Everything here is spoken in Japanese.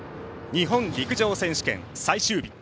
日本陸上選手権、最終日。